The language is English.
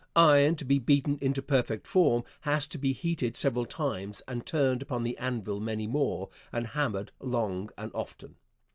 Iron to be beaten into perfect form has to be heated several times and turned upon the anvil many more, and hammered long and often.